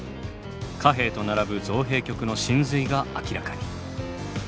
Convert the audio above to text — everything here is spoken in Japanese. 貨幣と並ぶ造幣局の神髄が明らかに。